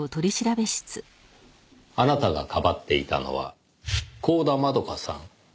あなたがかばっていたのは光田窓夏さん。